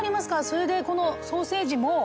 それでこのソーセージも。